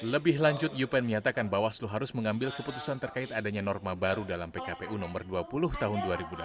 lebih lanjut yupen menyatakan bawaslu harus mengambil keputusan terkait adanya norma baru dalam pkpu nomor dua puluh tahun dua ribu delapan belas